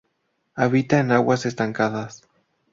Habita en aguas estancadas.